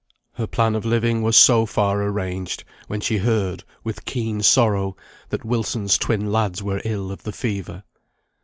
Her plan of living was so far arranged, when she heard, with keen sorrow, that Wilson's twin lads were ill of the fever.